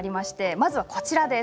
まずはこちらです。